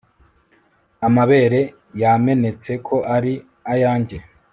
Amabere yamenetse ko ari ayanjye